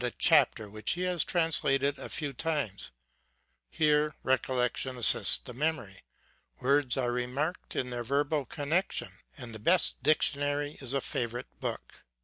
a chapter which he has trans lated a few times : here recollection assists the memory ; words are remarked in their verbal connection, and the best dictionary is a favorite book.